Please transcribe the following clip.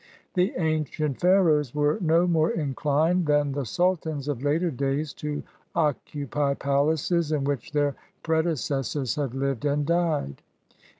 The ancient Pharaohs were no more inclined than the sultans of later days to occupy palaces in which their predecessors had Hved and died.